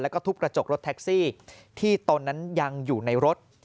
แล้วก็ทุบกระจกรถแท็กซี่ที่ตนนั้นยังอยู่ในรถ